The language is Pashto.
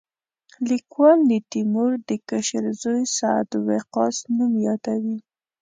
لیکوال د تیمور د کشر زوی سعد وقاص نوم یادوي.